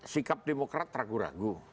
sikap demokrat ragu ragu